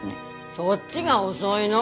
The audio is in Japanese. そっちが遅いの。